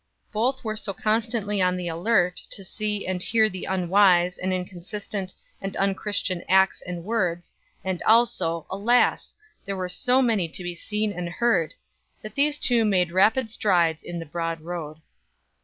Both were so constantly on the alert, to see and hear the unwise, and inconsistent, and unchristian acts and words, and also, alas! there were so many to be seen and heard, that these two made rapid strides in the broad road.